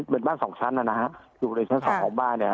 เป็นบ้านสองชั้นนะฮะอยู่บริเวณชั้นสองของบ้านเนี่ย